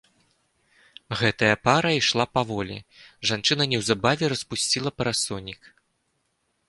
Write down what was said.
Гэтая пара ішла паволі, жанчына неўзабаве распусціла парасонік.